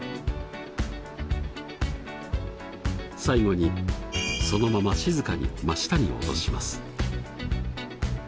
最後にそのまま静かに真下に落とします。